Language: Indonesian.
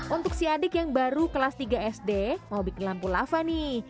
untuk si adik yang baru kelas tiga sd mau bikin lampu lava nih